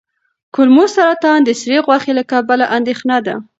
کولمو سرطان د سرې غوښې له کبله اندېښنه ده.